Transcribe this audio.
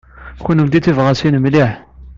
Kennemti d tibɣasin mliḥ.